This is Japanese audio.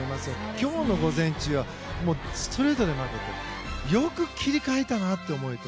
今日の午前中はストレートで負けてよく切り替えたなって思って。